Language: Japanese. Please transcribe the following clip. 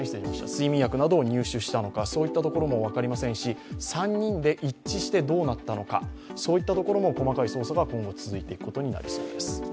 そういったところも分かりませんし、３人で一致してどうなったのか、そういったところも細かい捜査が今後続いていくことになりそうです。